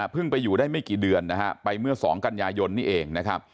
เพิ่งไปอยู่ได้ไม่กี่เดือนไปเมื่อ๒กันยายนนี่เอง